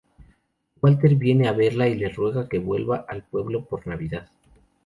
Walter viene a verla y le ruega que vuelva al pueblo por Navidad.